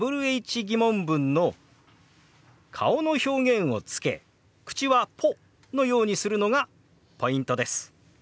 ー疑問文の顔の表現をつけ口は「ポ」のようにするのがポイントです。